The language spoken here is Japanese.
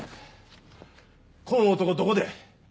こん男どこで？